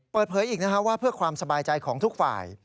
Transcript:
เปิดเผยอีกว่าเพื่อความสบายใจของทุกฝ่าย